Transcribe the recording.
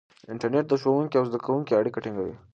انټرنیټ د ښوونکي او زده کوونکي اړیکه ټینګوي.